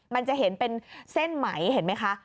มันจะเห็นเป็นเส้นไหมเห็นไหมคะ